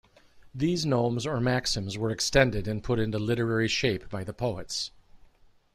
These gnomes or maxims were extended and put into literary shape by the poets.